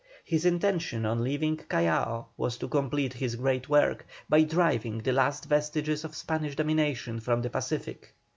His intention on leaving Callao was to complete his great work, by driving the last vestiges of Spanish domination from the Pacific.